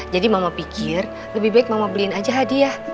jadi mama pikir lebih baik mama beliin aja hadiah